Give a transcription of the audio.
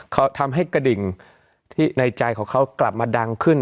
เขาทำให้กระดิ่งที่ในใจของเขากลับมาดังขึ้น